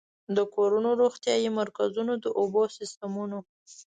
د کورونو، روغتيايي مرکزونو، د اوبو سيستمونو